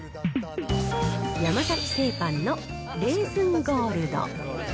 山崎製パンのレーズンゴールド。